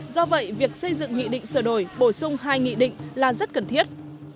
do vậy việc xây dựng nghị định sửa đổi bổ sung hai nghị định là rất cần thiết